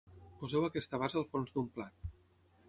poseu aquesta base al fons d'un plat